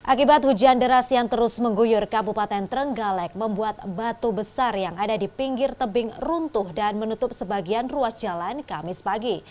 akibat hujan deras yang terus mengguyur kabupaten trenggalek membuat batu besar yang ada di pinggir tebing runtuh dan menutup sebagian ruas jalan kamis pagi